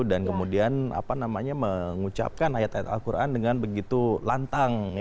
dan kemudian mengucapkan ayat ayat al quran dengan begitu lantang